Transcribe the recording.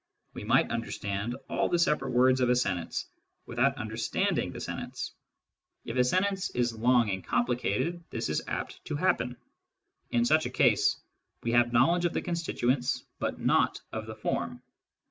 We might understand all the separate words of a sentence without understanding the sentence : if a sentence is long and complicated, this is apt to happen. In such a case we have knowledge of the constituents, but not of the form.